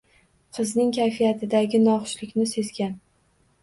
Qizining kayfiyatidagi noxushlikni sezgan